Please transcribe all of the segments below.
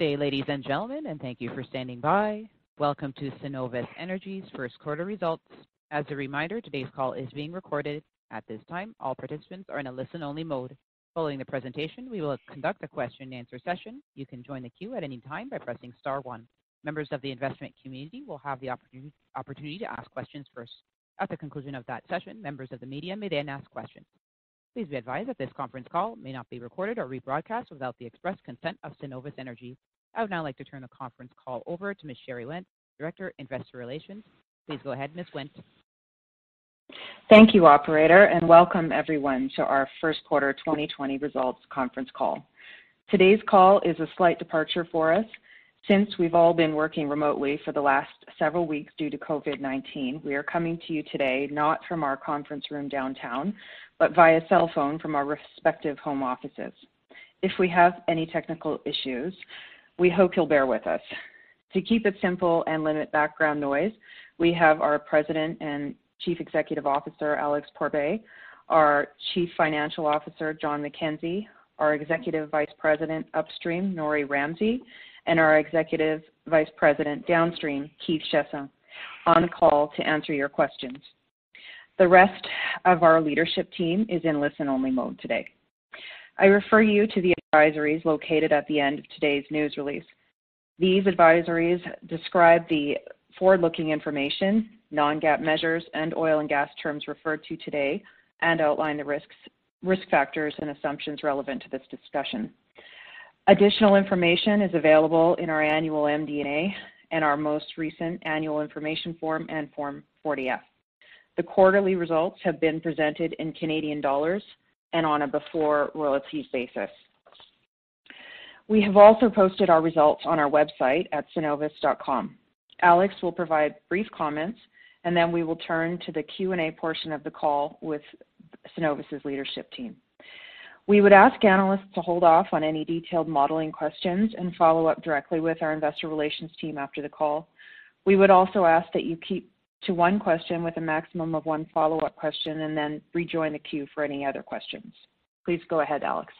Good day, ladies and gentlemen, and thank you for standing by. Welcome to Cenovus Energy's first quarter results. As a reminder, today's call is being recorded. At this time, all participants are in a listen-only mode. Following the presentation, we will conduct a question-and-answer session. You can join the queue at any time by pressing star one. Members of the investment community will have the opportunity to ask questions first. At the conclusion of that session, members of the media may then ask questions. Please be advised that this conference call may not be recorded or rebroadcast without the express consent of Cenovus Energy. I would now like to turn the conference call over to Ms. Sherry Wendt, Director, Investor Relations. Please go ahead, Ms. Wendt. Thank you, Operator, and welcome everyone to our first quarter 2020 results conference call. Today's call is a slight departure for us. Since we've all been working remotely for the last several weeks due to COVID-19, we are coming to you today not from our conference room downtown, but via cell phone from our respective home offices. If we have any technical issues, we hope you'll bear with us. To keep it simple and limit background noise, we have our President and Chief Executive Officer, Alex Pourbaix, our Chief Financial Officer, Jon McKenzie, our Executive Vice President, Upstream, Norrie Ramsay, and our Executive Vice President, Downstream, Keith Chiasson, on the call to answer your questions. The rest of our leadership team is in listen-only mode today. I refer you to the advisories located at the end of today's news release. These advisories describe the forward-looking information, non-GAAP measures, and oil and gas terms referred to today, and outline the risk factors and assumptions relevant to this discussion. Additional information is available in our annual MD&A and our most recent annual information form and Form 40-F. The quarterly results have been presented in Canadian dollars and on a before royalties basis. We have also posted our results on our website at cenovus.com. Alex will provide brief comments, and then we will turn to the Q&A portion of the call with Cenovus' leadership team. We would ask analysts to hold off on any detailed modeling questions and follow up directly with our investor relations team after the call. We would also ask that you keep to one question with a maximum of one follow-up question and then rejoin the queue for any other questions. Please go ahead, Alex.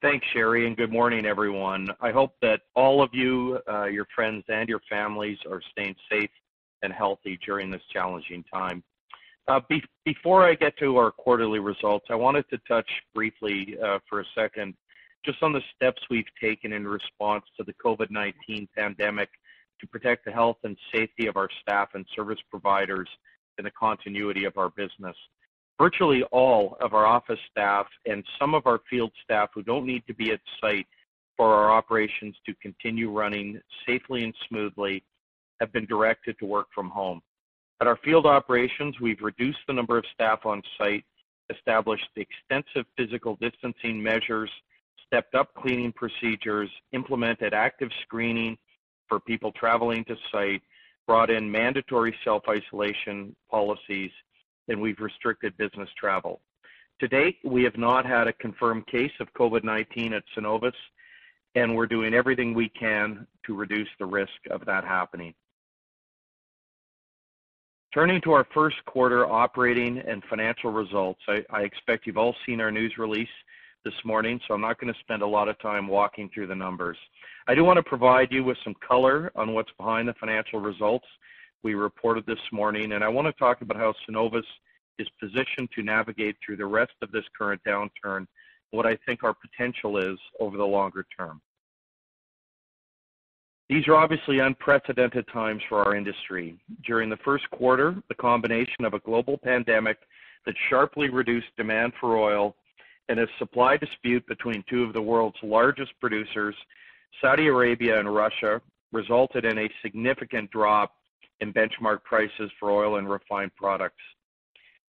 Thanks, Sherry, and good morning, everyone. I hope that all of you, your friends, and your families are staying safe and healthy during this challenging time. Before I get to our quarterly results, I wanted to touch briefly for a second just on the steps we've taken in response to the COVID-19 pandemic to protect the health and safety of our staff and service providers and the continuity of our business. Virtually all of our office staff and some of our field staff who don't need to be at site for our operations to continue running safely and smoothly have been directed to work from home. At our field operations, we've reduced the number of staff on site, established extensive physical distancing measures, stepped up cleaning procedures, implemented active screening for people traveling to site, brought in mandatory self-isolation policies, and we've restricted business travel. To date, we have not had a confirmed case of COVID-19 at Cenovus, and we're doing everything we can to reduce the risk of that happening. Turning to our first quarter operating and financial results, I expect you've all seen our news release this morning, so I'm not going to spend a lot of time walking through the numbers. I do want to provide you with some color on what's behind the financial results we reported this morning, and I want to talk about how Cenovus is positioned to navigate through the rest of this current downturn and what I think our potential is over the longer term. These are obviously unprecedented times for our industry. During the first quarter, the combination of a global pandemic that sharply reduced demand for oil and a supply dispute between two of the world's largest producers, Saudi Arabia and Russia, resulted in a significant drop in benchmark prices for oil and refined products.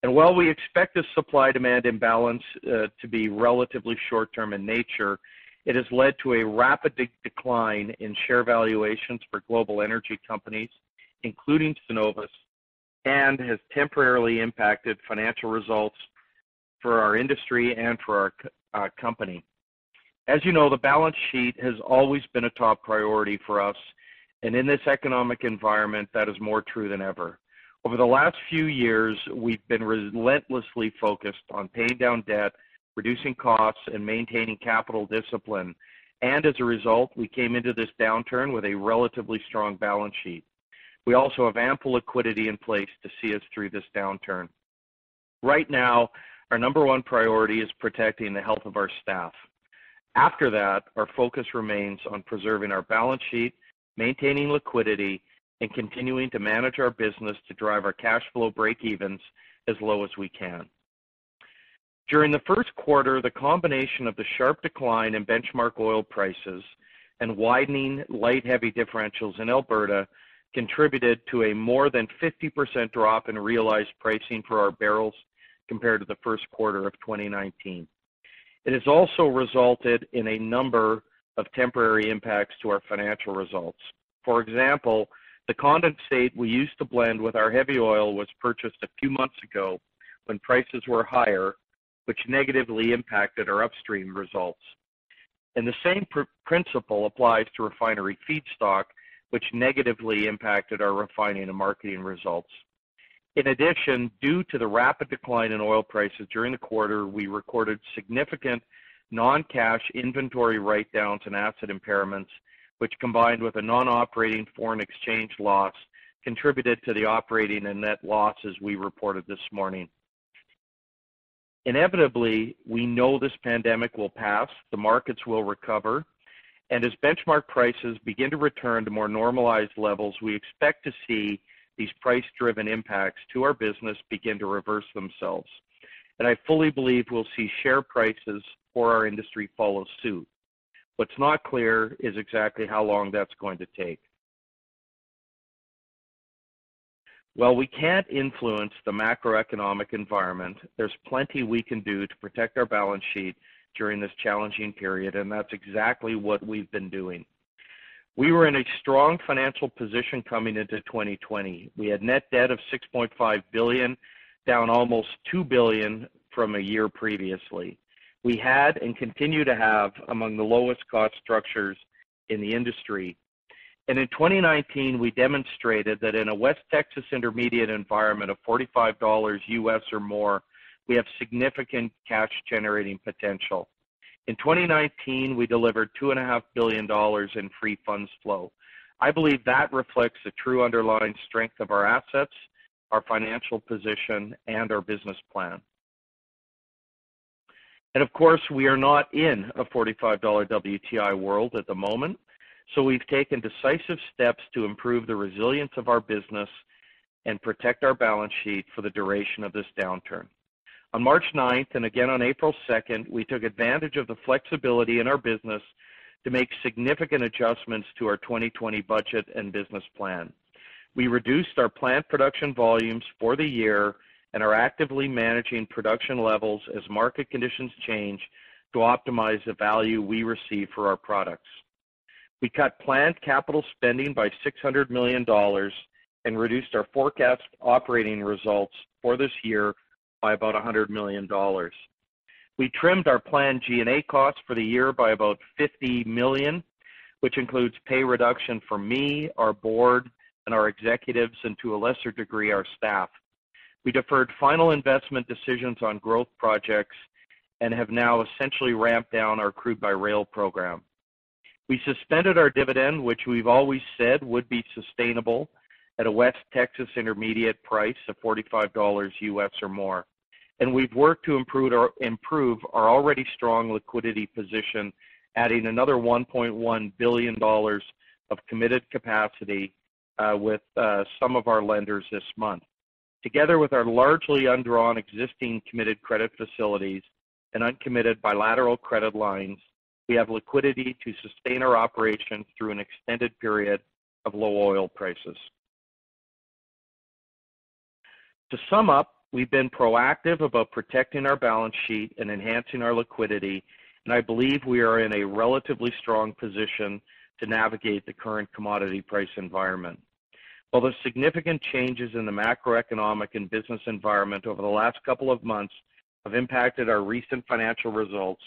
While we expect this supply-demand imbalance to be relatively short-term in nature, it has led to a rapid decline in share valuations for global energy companies, including Cenovus, and has temporarily impacted financial results for our industry and for our company. As you know, the balance sheet has always been a top priority for us, and in this economic environment, that is more true than ever. Over the last few years, we've been relentlessly focused on paying down debt, reducing costs, and maintaining capital discipline. As a result, we came into this downturn with a relatively strong balance sheet. We also have ample liquidity in place to see us through this downturn. Right now, our number one priority is protecting the health of our staff. After that, our focus remains on preserving our balance sheet, maintaining liquidity, and continuing to manage our business to drive our cash flow break-evens as low as we can. During the first quarter, the combination of the sharp decline in benchmark oil prices and widening light-heavy differentials in Alberta contributed to a more than 50% drop in realized pricing for our barrels compared to the first quarter of 2019. It has also resulted in a number of temporary impacts to our financial results. For example, the condensate we used to blend with our heavy oil was purchased a few months ago when prices were higher, which negatively impacted our upstream results. The same principle applies to refinery feedstock, which negatively impacted our refining and marketing results. In addition, due to the rapid decline in oil prices during the quarter, we recorded significant non-cash inventory write-downs and asset impairments, which, combined with a non-operating foreign exchange loss, contributed to the operating and net losses we reported this morning. Inevitably, we know this pandemic will pass, the markets will recover, and as benchmark prices begin to return to more normalized levels, we expect to see these price-driven impacts to our business begin to reverse themselves. I fully believe we'll see share prices for our industry follow suit. What's not clear is exactly how long that's going to take. While we can't influence the macroeconomic environment, there's plenty we can do to protect our balance sheet during this challenging period, and that's exactly what we've been doing. We were in a strong financial position coming into 2020. We had net debt of $6.5 billion, down almost $2 billion from a year previously. We had and continue to have among the lowest-cost structures in the industry. In 2019, we demonstrated that in a West Texas Intermediate environment of $45 or more, we have significant cash-generating potential. In 2019, we delivered $2.5 billion in free funds flow. I believe that reflects the true underlying strength of our assets, our financial position, and our business plan. Of course, we are not in a $45 WTI world at the moment, so we have taken decisive steps to improve the resilience of our business and protect our balance sheet for the duration of this downturn. On March 9th and again on April 2nd, we took advantage of the flexibility in our business to make significant adjustments to our 2020 budget and business plan. We reduced our planned production volumes for the year and are actively managing production levels as market conditions change to optimize the value we receive for our products. We cut planned capital spending by $600 million and reduced our forecast operating results for this year by about $100 million. We trimmed our planned G&A costs for the year by about $50 million, which includes pay reduction for me, our board, and our executives, and to a lesser degree, our staff. We deferred final investment decisions on growth projects and have now essentially ramped down our crude by rail program. We suspended our dividend, which we've always said would be sustainable, at a West Texas Intermediate price of $45 or more. We have worked to improve our already strong liquidity position, adding another $1.1 billion of committed capacity with some of our lenders this month. Together with our largely undrawn existing committed credit facilities and uncommitted bilateral credit lines, we have liquidity to sustain our operations through an extended period of low oil prices. To sum up, we have been proactive about protecting our balance sheet and enhancing our liquidity, and I believe we are in a relatively strong position to navigate the current commodity price environment. While there are significant changes in the macroeconomic and business environment over the last couple of months that have impacted our recent financial results,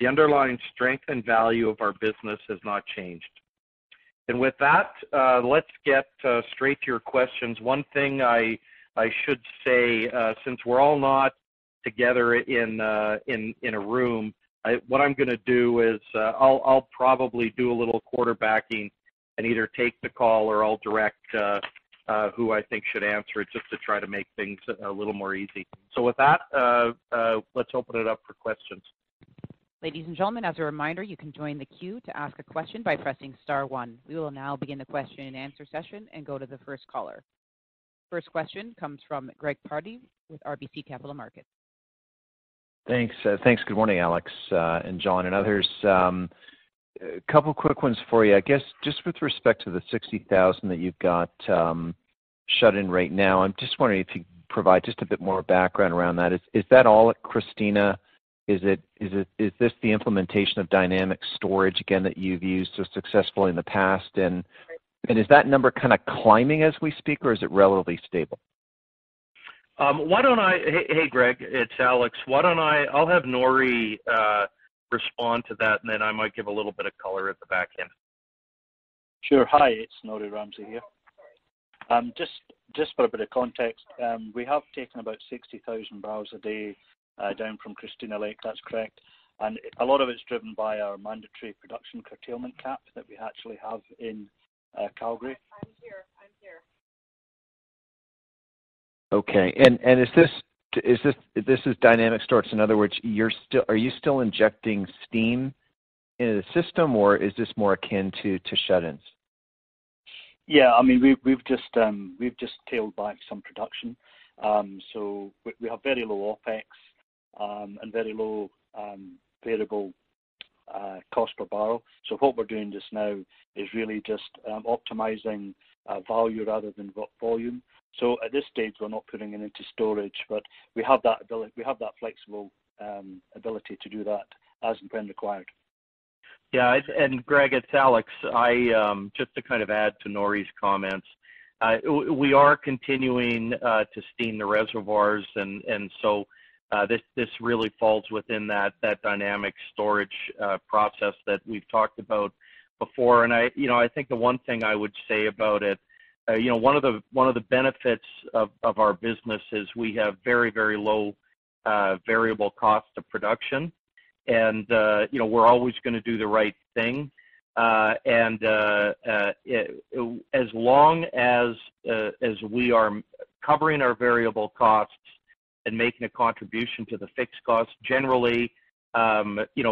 the underlying strength and value of our business has not changed. With that, let's get straight to your questions. One thing I should say, since we're all not together in a room, what I'm going to do is I'll probably do a little quarterbacking and either take the call or I'll direct who I think should answer it just to try to make things a little more easy. With that, let's open it up for questions. Ladies and gentlemen, as a reminder, you can join the queue to ask a question by pressing star one. We will now begin the question-and-answer session and go to the first caller. First question comes from Greg Pardy with RBC Capital Markets. Thanks. Thanks. Good morning, Alex and Jon and others. A couple of quick ones for you. I guess just with respect to the 60,000 that you've got shut in right now, I'm just wondering if you could provide just a bit more background around that. Is that all, Christina? Is this the implementation of dynamic storage, again, that you've used so successfully in the past? Is that number kind of climbing as we speak, or is it relatively stable? Hey, Greg, it's Alex. I'll have Norrie respond to that, and then I might give a little bit of color at the back end. Sure. Hi, it's Norrie Ramsay here. Just for a bit of context, we have taken about 60,000 barrels a day down from Christina Lake. That's correct. A lot of it's driven by our mandatory production curtailment cap that we actually have in Calgary. Okay. This is dynamic storage. In other words, are you still injecting steam into the system, or is this more akin to shut-ins? Yeah. I mean, we've just tailed back some production. We have very low OPEX and very low variable cost per barrel. What we're doing just now is really just optimizing value rather than volume. At this stage, we're not putting it into storage, but we have that flexible ability to do that as and when required. Yeah. Greg, it's Alex. Just to kind of add to Norrie's comments, we are continuing to steam the reservoirs, and this really falls within that dynamic storage process that we have talked about before. I think the one thing I would say about it, one of the benefits of our business is we have very, very low variable cost of production, and we are always going to do the right thing. As long as we are covering our variable costs and making a contribution to the fixed cost,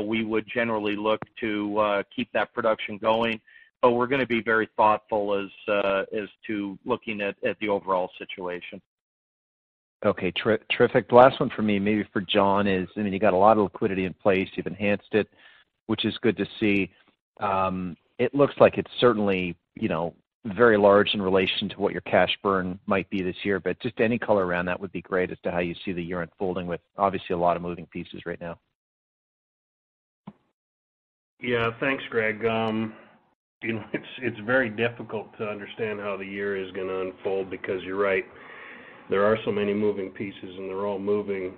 we would generally look to keep that production going. We are going to be very thoughtful as to looking at the overall situation. Okay. Terrific. The last one for me, maybe for Jon, is, I mean, you've got a lot of liquidity in place. You've enhanced it, which is good to see. It looks like it's certainly very large in relation to what your cash burn might be this year, but just any color around that would be great as to how you see the year unfolding with obviously a lot of moving pieces right now. Yeah. Thanks, Greg. It's very difficult to understand how the year is going to unfold because you're right. There are so many moving pieces, and they're all moving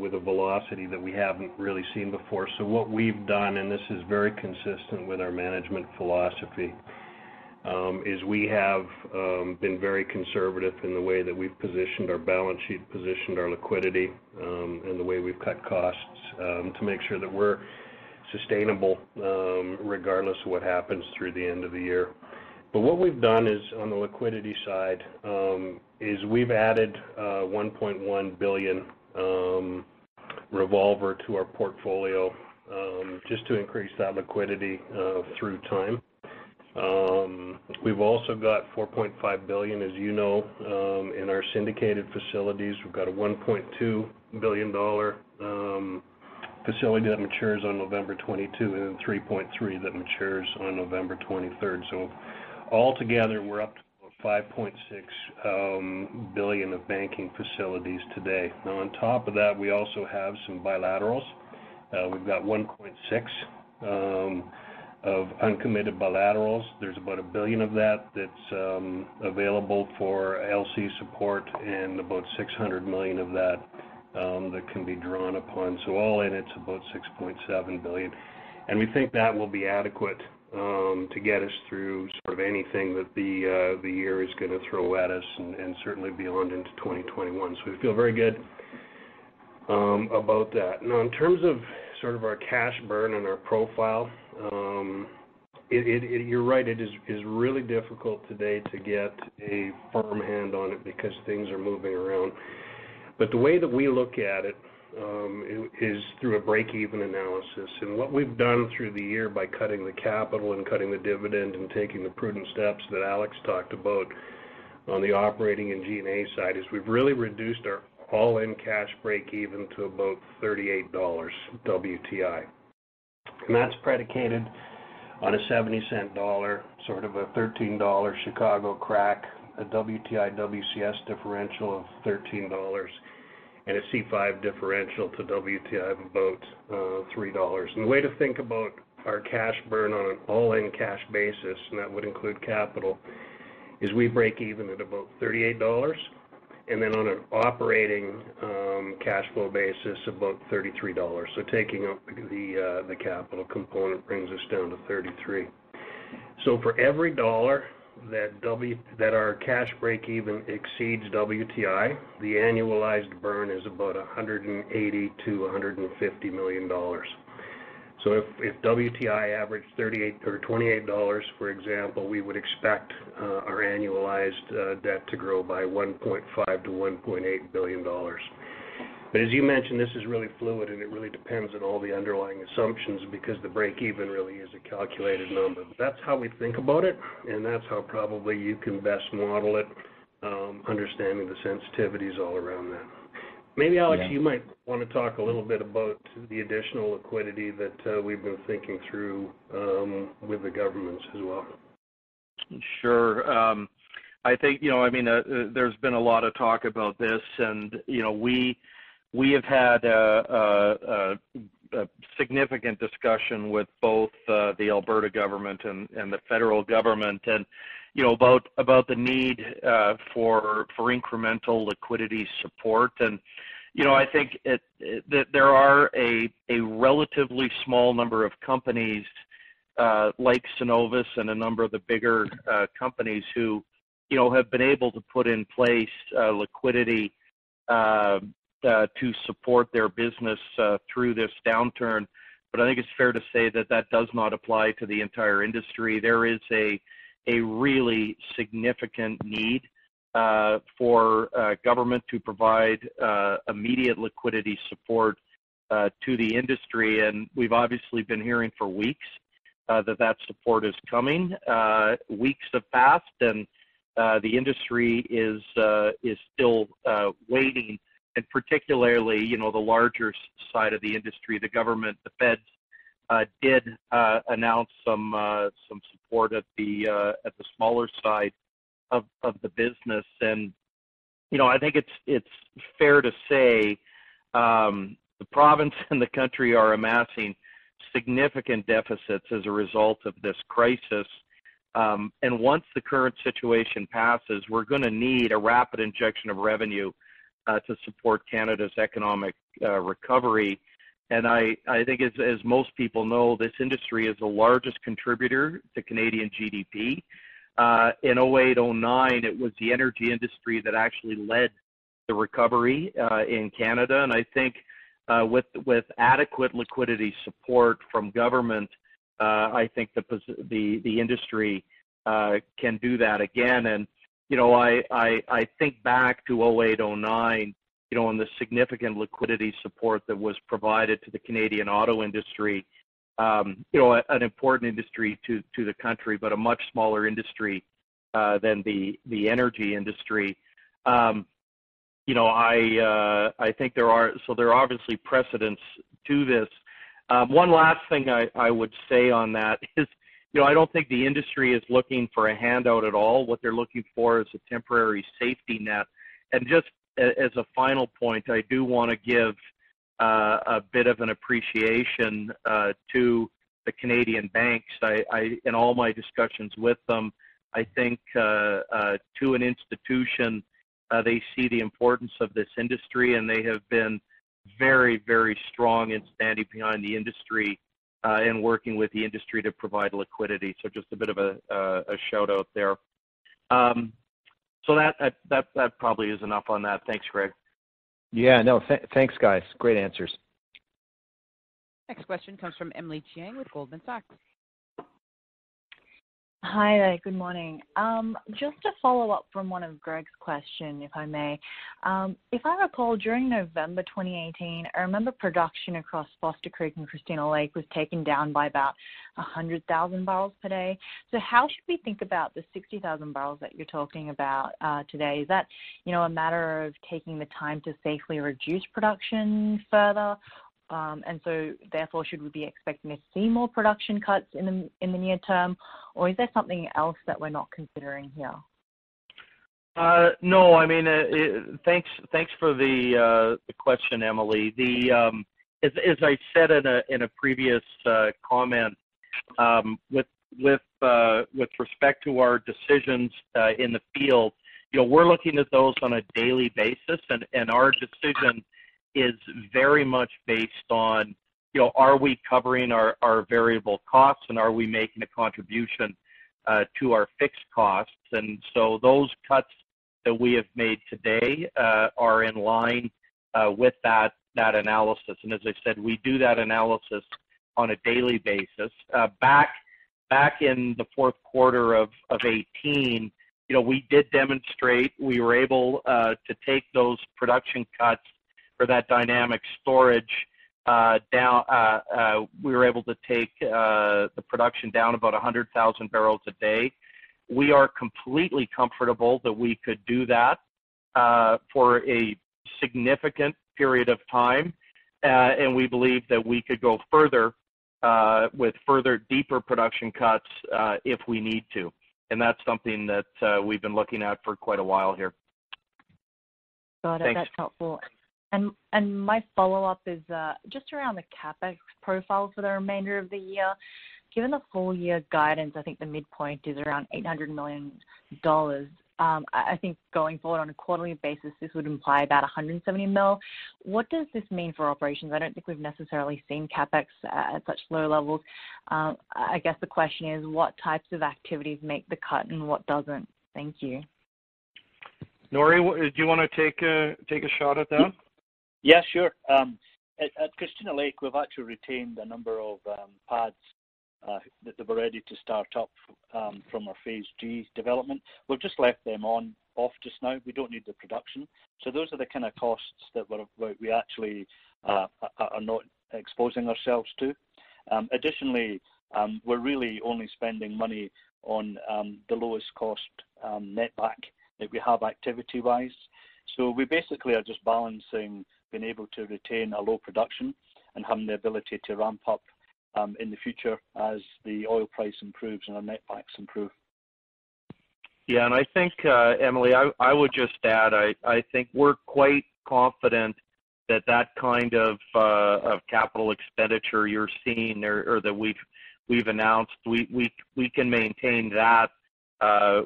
with a velocity that we haven't really seen before. What we've done, and this is very consistent with our management philosophy, is we have been very conservative in the way that we've positioned our balance sheet, positioned our liquidity, and the way we've cut costs to make sure that we're sustainable regardless of what happens through the end of the year. What we've done on the liquidity side is we've added $1.1 billion revolver to our portfolio just to increase that liquidity through time. We've also got $4.5billion, as you know, in our syndicated facilities. We've got a $1.2 billion facility that matures on November 22, 2022, and then $3.3 billion that matures on November 23rd, 2023. Altogether, we're up to $5.6 billion of banking facilities today. Now, on top of that, we also have some bilaterals. We've got $1.6 billion of uncommitted bilaterals. There's about $1 billion of that that's available for LC support and about $600 million of that that can be drawn upon. All in, it's about $6.7 billion. We think that will be adequate to get us through sort of anything that the year is going to throw at us and certainly beyond into 2021. We feel very good about that. In terms of sort of our cash burn and our profile, you're right. It is really difficult today to get a firm hand on it because things are moving around. The way that we look at it is through a break-even analysis. What we've done through the year by cutting the capital and cutting the dividend and taking the prudent steps that Alex talked about on the operating and G&A side is we've really reduced our all-in cash break-even to about $38 WTI. That's predicated on a $0.70 dollar, sort of a $13 Chicago CRAC, a WTI WCS differential of $13, and a C5 differential to WTI of about $3. The way to think about our cash burn on an all-in cash basis, and that would include capital, is we break even at about $38, and then on an operating cash flow basis, about $33. Taking out the capital component brings us down to $33. For every dollar that our cash break-even exceeds WTI, the annualized burn is about $180 million to $150 million. If WTI averaged $28, for example, we would expect our annualized debt to grow by $1.5 billion-$1.8 billion. As you mentioned, this is really fluid, and it really depends on all the underlying assumptions because the break-even really is a calculated number. That is how we think about it, and that is how probably you can best model it, understanding the sensitivities all around that. Maybe, Alex, you might want to talk a little bit about the additional liquidity that we have been thinking through with the governments as well. Sure. I think, I mean, there's been a lot of talk about this, and we have had a significant discussion with both the Alberta government and the federal government about the need for incremental liquidity support. I think that there are a relatively small number of companies like Cenovus and a number of the bigger companies who have been able to put in place liquidity to support their business through this downturn. I think it's fair to say that that does not apply to the entire industry. There is a really significant need for government to provide immediate liquidity support to the industry. We've obviously been hearing for weeks that that support is coming. Weeks have passed, and the industry is still waiting, and particularly the larger side of the industry. The government, the Feds, did announce some support at the smaller side of the business. I think it's fair to say the province and the country are amassing significant deficits as a result of this crisis. Once the current situation passes, we're going to need a rapid injection of revenue to support Canada's economic recovery. I think, as most people know, this industry is the largest contributor to Canadian GDP. In 2008, 2009, it was the energy industry that actually led the recovery in Canada. I think with adequate liquidity support from government, the industry can do that again. I think back to 2008, 2009, on the significant liquidity support that was provided to the Canadian auto industry, an important industry to the country, but a much smaller industry than the energy industry. I think there are obviously precedents to this. One last thing I would say on that is I don't think the industry is looking for a handout at all. What they're looking for is a temporary safety net. Just as a final point, I do want to give a bit of an appreciation to the Canadian banks. In all my discussions with them, I think to an institution, they see the importance of this industry, and they have been very, very strong in standing behind the industry and working with the industry to provide liquidity. Just a bit of a shout-out there. That probably is enough on that. Thanks, Greg. Yeah. No. Thanks, guys. Great answers. Next question comes from Emily Jiang with Goldman Sachs. Hi. Good morning. Just to follow up from one of Greg's questions, if I may. If I recall, during November 2018, I remember production across Foster Creek and Christina Lake was taken down by about 100,000 barrels per day. How should we think about the 60,000 barrels that you're talking about today? Is that a matter of taking the time to safely reduce production further? Therefore, should we be expecting to see more production cuts in the near term, or is there something else that we're not considering here? No. I mean, thanks for the question, Emily. As I said in a previous comment, with respect to our decisions in the field, we're looking at those on a daily basis, and our decision is very much based on, are we covering our variable costs, and are we making a contribution to our fixed costs? Those cuts that we have made today are in line with that analysis. As I said, we do that analysis on a daily basis. Back in the fourth quarter of 2018, we did demonstrate we were able to take those production cuts for that dynamic storage down. We were able to take the production down about 100,000 barrels a day. We are completely comfortable that we could do that for a significant period of time, and we believe that we could go further with further deeper production cuts if we need to. That is something that we've been looking at for quite a while here. Got it. That's helpful. My follow-up is just around the CapEx profile for the remainder of the year. Given the full-year guidance, I think the midpoint is around $800 million. I think going forward on a quarterly basis, this would imply about $170 million. What does this mean for operations? I do not think we've necessarily seen CapEx at such low levels. I guess the question is, what types of activities make the cut and what does not? Thank you. Norrie, do you want to take a shot at that? Yeah. Sure. At Christina Lake, we've actually retained a number of pads that we're ready to start up from our phase G development. We've just left them off just now. We don't need the production. Those are the kind of costs that we actually are not exposing ourselves to. Additionally, we're really only spending money on the lowest cost net back that we have activity-wise. We basically are just balancing being able to retain a low production and having the ability to ramp up in the future as the oil price improves and our net backs improve. Yeah. I think, Emily, I would just add, I think we're quite confident that that kind of capital expenditure you're seeing or that we've announced, we can maintain that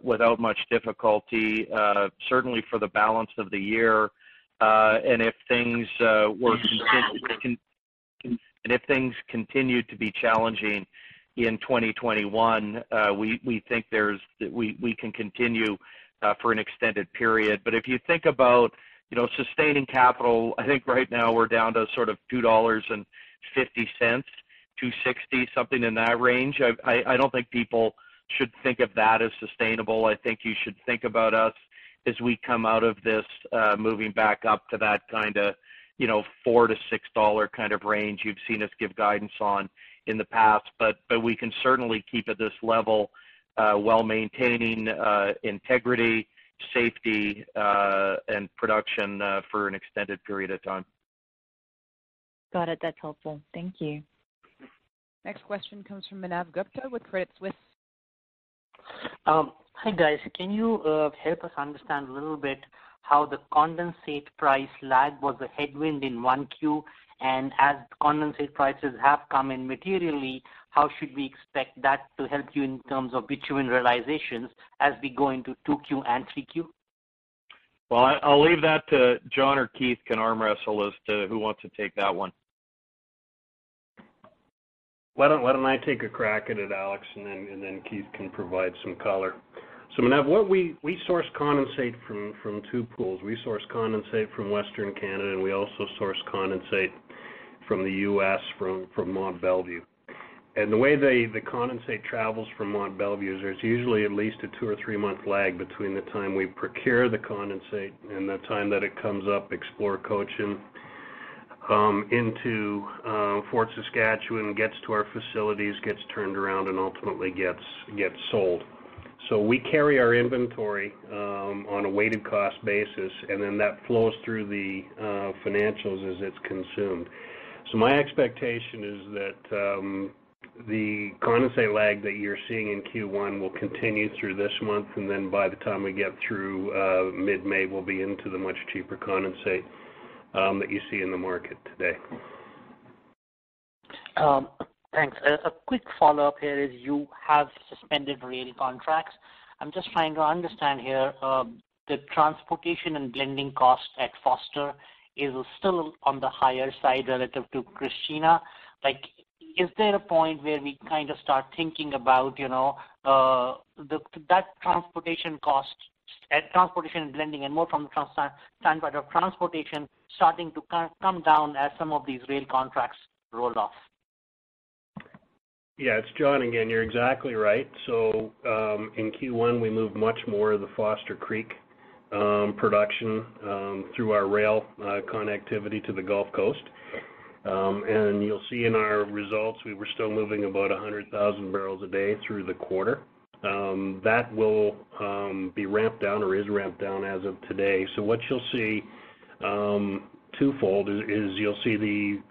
without much difficulty, certainly for the balance of the year. If things continue to be challenging in 2021, we think we can continue for an extended period. If you think about sustaining capital, I think right now we are down to sort of $2.50, $2.60, something in that range. I do not think people should think of that as sustainable. I think you should think about us as we come out of this moving back up to that kind of $4-$6 range you've seen us give guidance on in the past. We can certainly keep at this level while maintaining integrity, safety, and production for an extended period of time. Got it. That's helpful. Thank you. Next question comes from Manav Gupta with Credit Suisse. Hi guys. Can you help us understand a little bit how the condensate price lag was a headwind in 1Q? As condensate prices have come in materially, how should we expect that to help you in terms of bitumen realizations as we go into 2Q and 3Q? I'll leave that to Jon or Keith can arm wrestle as to who wants to take that one. Why don't I take a crack at it, Alex, and then Keith can provide some color? Manav, we source condensate from two pools. We source condensate from Western Canada, and we also source condensate from the US from Mont Belvieu. The way the condensate travels from Mont Belvieu is there's usually at least a two- or three-month lag between the time we procure the condensate and the time that it comes up Explorer Pipeline into Fort Saskatchewan, gets to our facilities, gets turned around, and ultimately gets sold. We carry our inventory on a weighted cost basis, and then that flows through the financials as it's consumed. My expectation is that the condensate lag that you're seeing in Q1 will continue through this month, and then by the time we get through mid-May, we'll be into the much cheaper condensate that you see in the market today. Thanks. A quick follow-up here is you have suspended rail contracts. I'm just trying to understand here. The transportation and blending cost at Foster is still on the higher side relative to Christina. Is there a point where we kind of start thinking about that transportation cost and transportation and blending, and more from the standpoint of transportation starting to come down as some of these rail contracts roll off? Yeah. It's Jon again. You're exactly right. In Q1, we moved much more of the Foster Creek production through our rail connectivity to the Gulf Coast. You'll see in our results, we were still moving about 100,000 barrels a day through the quarter. That will be ramped down or is ramped down as of today. What you'll see twofold is you'll see the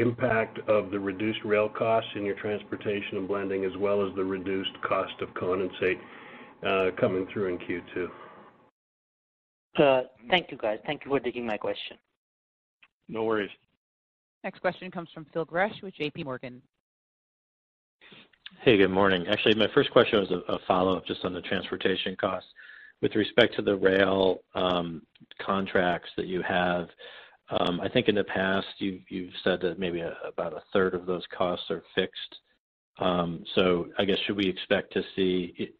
impact of the reduced rail costs in your transportation and blending, as well as the reduced cost of condensate coming through in Q2. Thank you, guys. Thank you for taking my question. No worries. Next question comes from Phil Gresh with JPMorgan. Hey, good morning. Actually, my first question was a follow-up just on the transportation costs. With respect to the rail contracts that you have, I think in the past, you've said that maybe about a third of those costs are fixed. I guess, should we expect to see,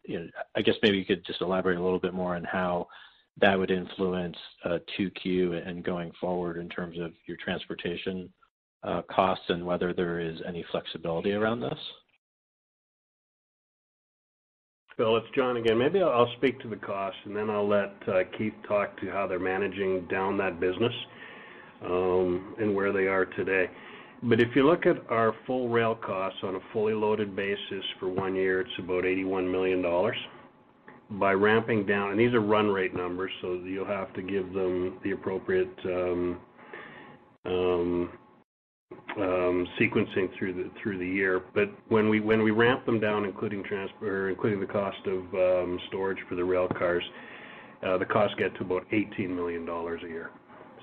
I guess maybe you could just elaborate a little bit more on how that would influence 2Q and going forward in terms of your transportation costs and whether there is any flexibility around this? Phil. It's Jon again. Maybe I'll speak to the cost, and then I'll let Keith talk to how they're managing down that business and where they are today. If you look at our full rail costs on a fully loaded basis for one year, it's about $81 million. By ramping down, and these are run rate numbers, so you'll have to give them the appropriate sequencing through the year. When we ramp them down, including the cost of storage for the rail cars, the costs get to about $18 million a year.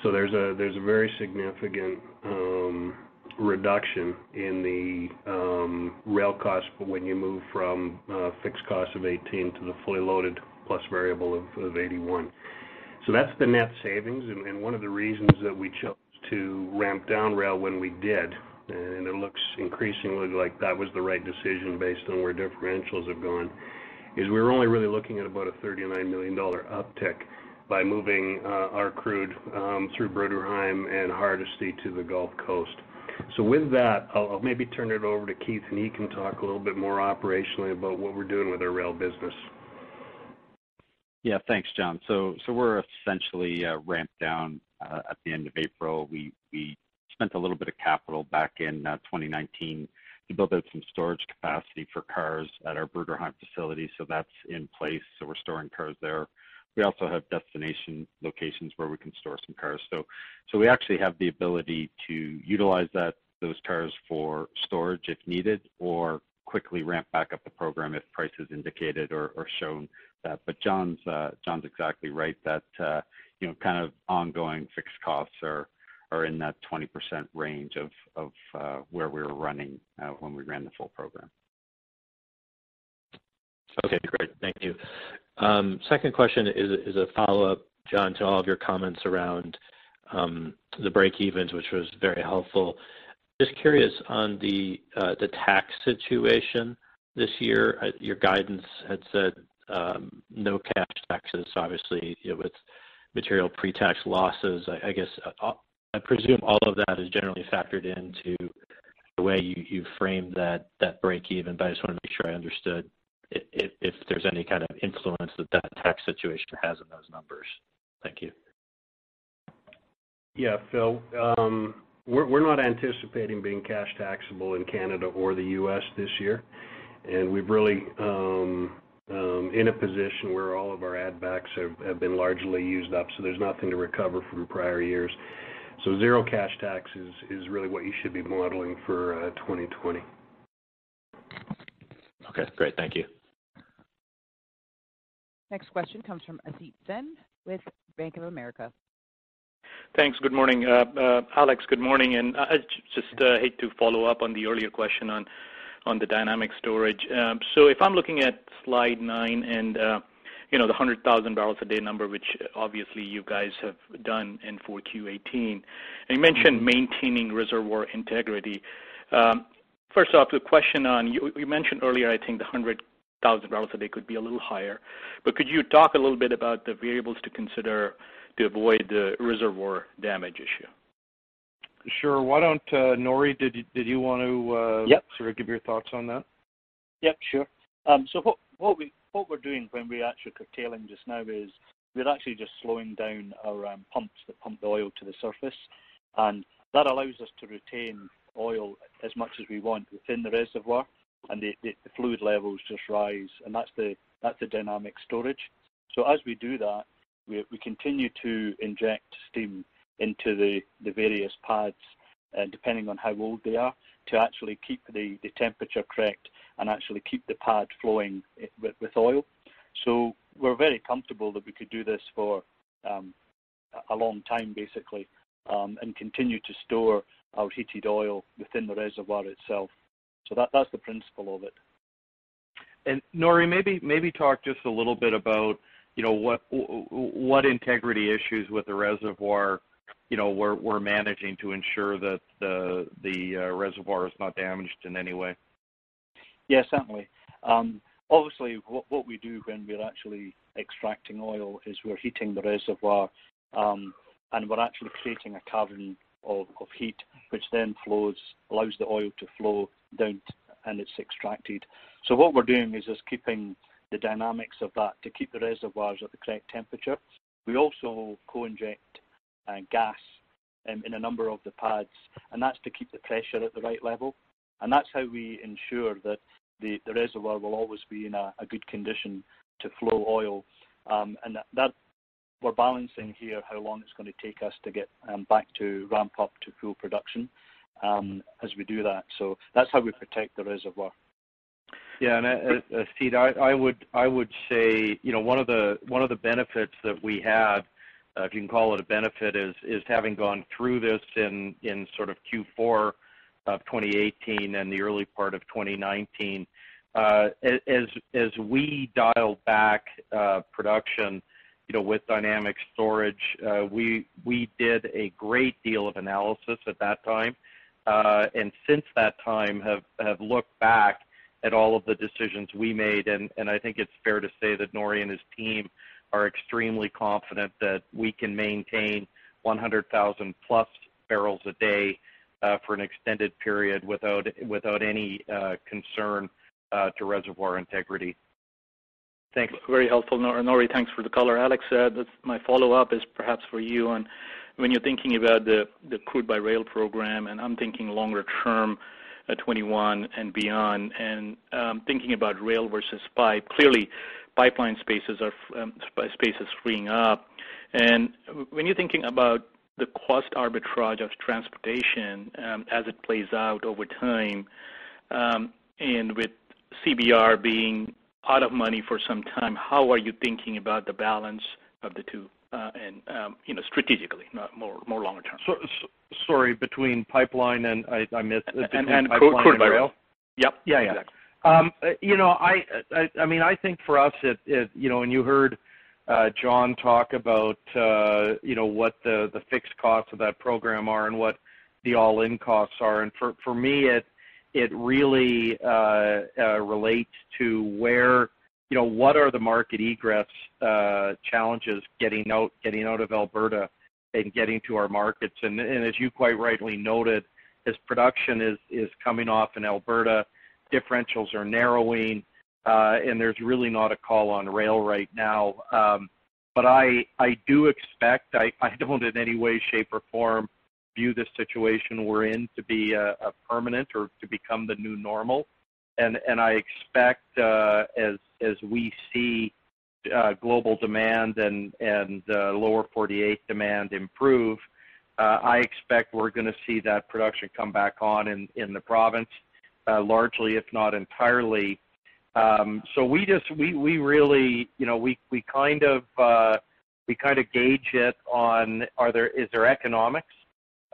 There is a very significant reduction in the rail costs when you move from a fixed cost of 18 to the fully loaded plus variable of 81. That's the net savings. One of the reasons that we chose to ramp down rail when we did, and it looks increasingly like that was the right decision based on where differentials have gone, is we were only really looking at about $39 million uptick by moving our crude through Bruderheim and Hardisty to the Gulf Coast. With that, I'll maybe turn it over to Keith, and he can talk a little bit more operationally about what we're doing with our rail business. Yeah. Thanks, Jon. We are essentially ramped down at the end of April. We spent a little bit of capital back in 2019 to build up some storage capacity for cars at our Bruderheim facility. That is in place. We are storing cars there. We also have destination locations where we can store some cars. We actually have the ability to utilize those cars for storage if needed or quickly ramp back up the program if prices indicate or show. Jon's exactly right that ongoing fixed costs are in that 20% range of where we were running when we ran the full program. Okay. Great. Thank you. Second question is a follow-up, Jon, to all of your comments around the breakevens, which was very helpful. Just curious on the tax situation this year. Your guidance had said no cash taxes, obviously, with material pre-tax losses. I guess I presume all of that is generally factored into the way you framed that breakeven, but I just want to make sure I understood if there's any kind of influence that that tax situation has on those numbers. Thank you. Yeah. Phil. We're not anticipating being cash taxable in Canada or the US this year. We're really in a position where all of our add-backs have been largely used up, so there's nothing to recover from prior years. Zero cash tax is really what you should be modeling for 2020. Okay. Great. Thank you. Next question comes from Asit Sen with Bank of America. Thanks. Good morning. Alex, good morning. I just hate to follow up on the earlier question on the dynamic storage. If I'm looking at slide 9 and the 100,000 barrels a day number, which obviously you guys have done in Q4 2018, you mentioned maintaining reservoir integrity. First off, the question on you mentioned earlier, I think the 100,000 barrels a day could be a little higher. Could you talk a little bit about the variables to consider to avoid the reservoir damage issue? Sure. Norrie, did you want to sort of give your thoughts on that? Yep. Sure. What we're doing when we actually are curtailing just now is we're actually just slowing down our pumps that pump the oil to the surface. That allows us to retain oil as much as we want within the reservoir, and the fluid levels just rise. That's the dynamic storage. As we do that, we continue to inject steam into the various pads depending on how old they are to actually keep the temperature correct and actually keep the pad flowing with oil. We're very comfortable that we could do this for a long time, basically, and continue to store our heated oil within the reservoir itself. That's the principle of it. Norrie, maybe talk just a little bit about what integrity issues with the reservoir we're managing to ensure that the reservoir is not damaged in any way. Yeah. Certainly. Obviously, what we do when we're actually extracting oil is we're heating the reservoir, and we're actually creating a cavern of heat, which then allows the oil to flow down and it's extracted. What we're doing is just keeping the dynamics of that to keep the reservoirs at the correct temperature. We also co-inject gas in a number of the pads, and that's to keep the pressure at the right level. That's how we ensure that the reservoir will always be in a good condition to flow oil. We're balancing here how long it's going to take us to get back to ramp up to full production as we do that. That's how we protect the reservoir. Yeah. Asit, I would say one of the benefits that we have, if you can call it a benefit, is having gone through this in sort of Q4 of 2018 and the early part of 2019. As we dialed back production with dynamic storage, we did a great deal of analysis at that time. Since that time, have looked back at all of the decisions we made. I think it's fair to say that Norrie and his team are extremely confident that we can maintain 100,000 plus barrels a day for an extended period without any concern to reservoir integrity. Thanks. Very helpful. Norrie, thanks for the color. Alex, my follow-up is perhaps for you. When you're thinking about the crude by rail program, and I'm thinking longer term at 2021 and beyond, and thinking about rail versus pipe, clearly pipeline spaces are freeing up. When you're thinking about the cost arbitrage of transportation as it plays out over time and with CBR being out of money for some time, how are you thinking about the balance of the two strategically, more longer term? Sorry. Between pipeline and I missed it. Crude by rail? Yep. Yeah. Yeah. Exactly. I mean, I think for us, and you heard Jon talk about what the fixed costs of that program are and what the all-in costs are. For me, it really relates to what are the market egress challenges getting out of Alberta and getting to our markets? As you quite rightly noted, as production is coming off in Alberta, differentials are narrowing, and there's really not a call on rail right now. I do expect I don't in any way, shape, or form view the situation we're in to be a permanent or to become the new normal. I expect as we see global demand and lower 48 demand improve, I expect we're going to see that production come back on in the province largely, if not entirely. We really kind of gauge it on is there economics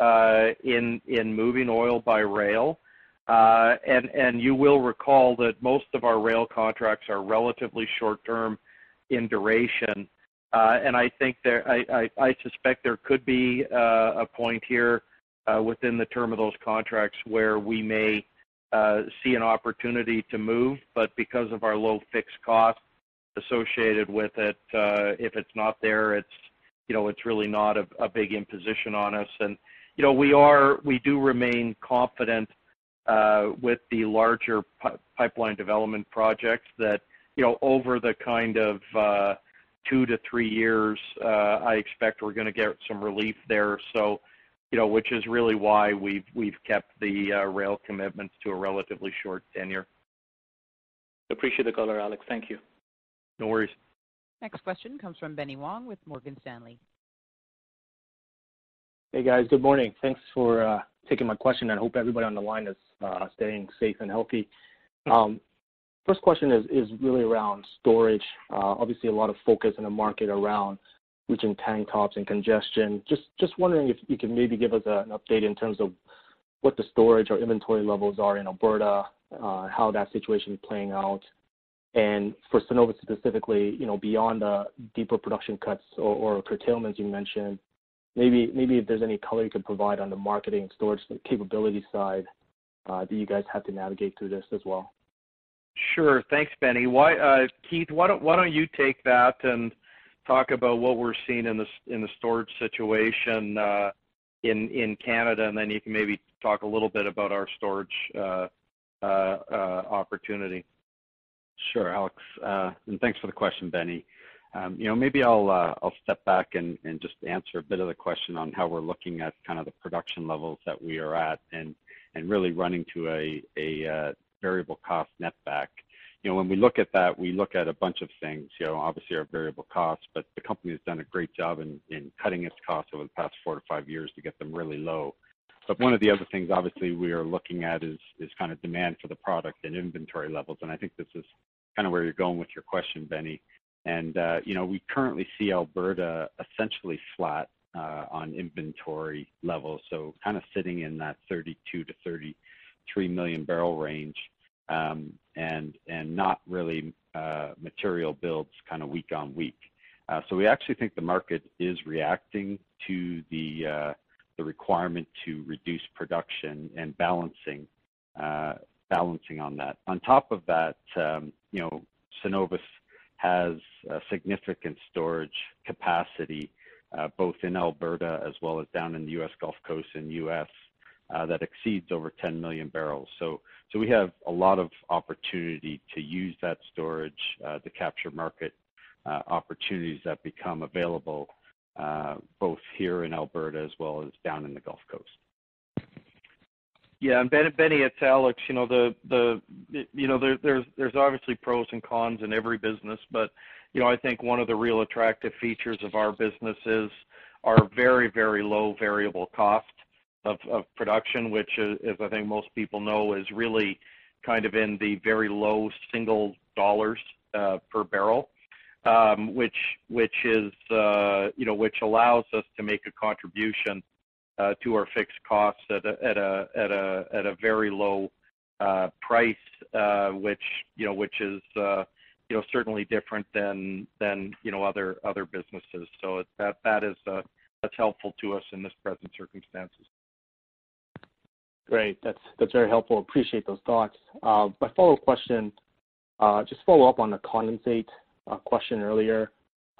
in moving oil by rail? You will recall that most of our rail contracts are relatively short-term in duration. I suspect there could be a point here within the term of those contracts where we may see an opportunity to move. Because of our low fixed cost associated with it, if it is not there, it is really not a big imposition on us. We do remain confident with the larger pipeline development projects that over the kind of two to three years, I expect we are going to get some relief there, which is really why we have kept the rail commitments to a relatively short tenure. Appreciate the color, Alex. Thank you. No worries. Next question comes from Benny Wong with Morgan Stanley. Hey, guys. Good morning. Thanks for taking my question. I hope everybody on the line is staying safe and healthy. First question is really around storage. Obviously, a lot of focus in the market around reaching tank tops and congestion. Just wondering if you could maybe give us an update in terms of what the storage or inventory levels are in Alberta, how that situation is playing out. For Cenovus specifically, beyond the deeper production cuts or curtailments you mentioned, maybe if there's any color you could provide on the marketing and storage capability side that you guys have to navigate through this as well. Sure. Thanks, Benny. Keith, why don't you take that and talk about what we're seeing in the storage situation in Canada, and then you can maybe talk a little bit about our storage opportunity. Sure, Alex. Thanks for the question, Benny. Maybe I'll step back and just answer a bit of the question on how we're looking at kind of the production levels that we are at and really running to a variable cost net back. When we look at that, we look at a bunch of things. Obviously, our variable costs, but the company has done a great job in cutting its costs over the past four to five years to get them really low. One of the other things, obviously, we are looking at is kind of demand for the product and inventory levels. I think this is kind of where you're going with your question, Benny. We currently see Alberta essentially flat on inventory levels, so kind of sitting in that 32-33 million barrel range and not really material builds week on week. We actually think the market is reacting to the requirement to reduce production and balancing on that. On top of that, Cenovus has significant storage capacity both in Alberta as well as down in the US Gulf Coast and US that exceeds over 10 million barrels. We have a lot of opportunity to use that storage to capture market opportunities that become available both here in Alberta as well as down in the Gulf Coast. Yeah. Benny, it's Alex. There are obviously pros and cons in every business, but I think one of the real attractive features of our business is our very, very low variable cost of production, which, as I think most people know, is really kind of in the very low single dollars per barrel, which allows us to make a contribution to our fixed costs at a very low price, which is certainly different than other businesses. That is helpful to us in this present circumstances. Great. That's very helpful. Appreciate those thoughts. My follow-up question, just follow up on the condensate question earlier,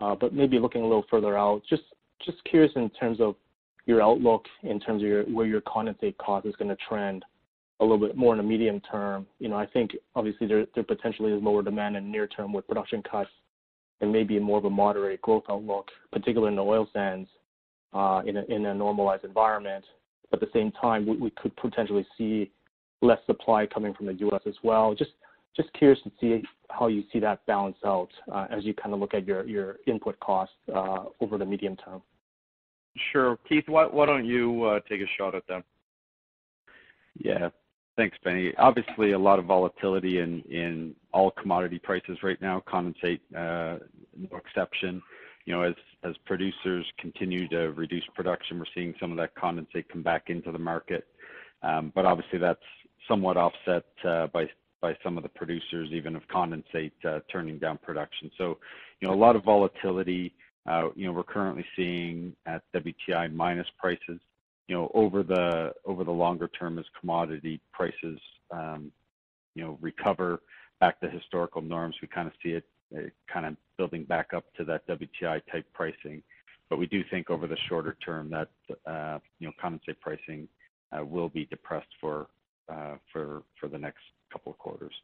but maybe looking a little further out. Just curious in terms of your outlook in terms of where your condensate cost is going to trend a little bit more in the medium term. I think, obviously, there potentially is lower demand in near term with production cuts and maybe more of a moderate growth outlook, particularly in the oil sands in a normalized environment. At the same time, we could potentially see less supply coming from the US as well. Just curious to see how you see that balance out as you kind of look at your input costs over the medium term. Sure. Keith, why don't you take a shot at that? Yeah. Thanks, Benny. Obviously, a lot of volatility in all commodity prices right now, condensate no exception. As producers continue to reduce production, we're seeing some of that condensate come back into the market. Obviously, that's somewhat offset by some of the producers, even if condensate, turning down production. A lot of volatility. We're currently seeing at WTI minus prices. Over the longer term, as commodity prices recover back to historical norms, we kind of see it kind of building back up to that WTI-type pricing. We do think over the shorter term that condensate pricing will be depressed for the next couple of quarters.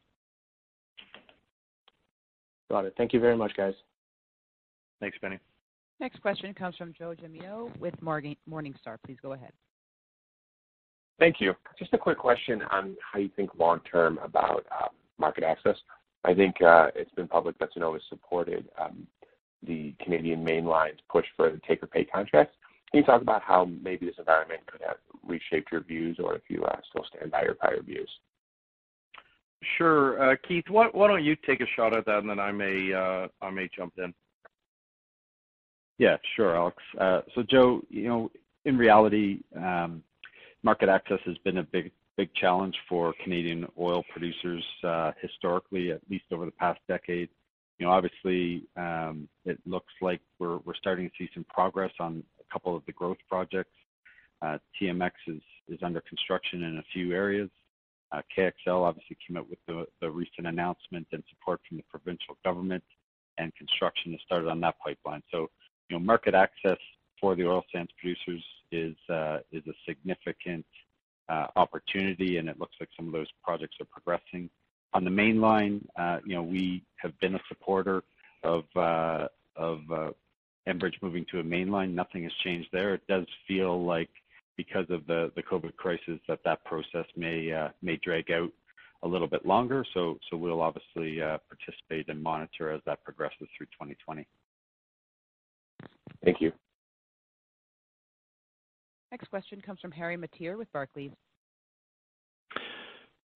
Got it. Thank you very much, guys. Thanks, Benny. Next question comes from Joe Gemimo with Morningstar. Please go ahead. Thank you. Just a quick question on how you think long-term about market access. I think it's been public that Cenovus supported the Canadian mainline push for the take-or-pay contracts. Can you talk about how maybe this environment could have reshaped your views or if you still stand by your prior views? Sure. Keith, why don't you take a shot at that, and then I may jump in. Yeah. Sure, Alex. So Joe, in reality, market access has been a big challenge for Canadian oil producers historically, at least over the past decade. Obviously, it looks like we're starting to see some progress on a couple of the growth projects. TMX is under construction in a few areas. KXL obviously came out with the recent announcement and support from the provincial government, and construction has started on that pipeline. Market access for the oil sands producers is a significant opportunity, and it looks like some of those projects are progressing. On the mainline, we have been a supporter of Enbridge moving to a mainline. Nothing has changed there. It does feel like, because of the COVID crisis, that that process may drag out a little bit longer. We'll obviously participate and monitor as that progresses through 2020. Thank you. Next question comes from Harry Mateer with Barclays.